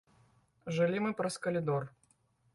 Жылі мы праз калідор.